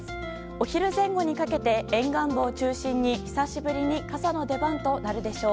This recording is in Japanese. お昼前後にかけて沿岸部を中心に久しぶりに傘の出番となるでしょう。